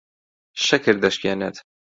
شەکر دەشکێنێت.